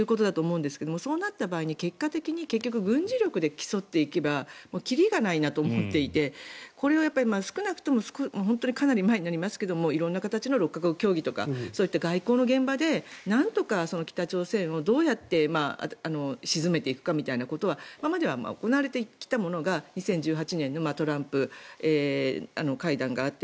そうなった場合に結果的に軍事力で競っていけば切りがないなと思っていてこれは少なくとも本当にかなり前になりますが色んな形の６か国協議とかそういった外交の現場でなんとか、北朝鮮をどうやって鎮めていくかみたいなことが今までは行われてきたものが２０１８年のトランプ会談があり